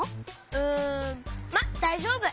うんまっだいじょうぶ！